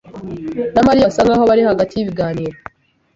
na Mariya basa nkaho bari hagati y'ibiganiro.